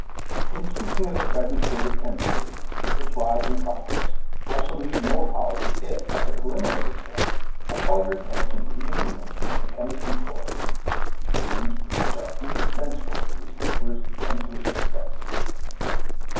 In speaking of the present state of chemistry, its rise and progress, I shall need no apology if, as a preliminary step, I call your attention to the implements which the chemist employs the means which are indispensable to his labours and to his success.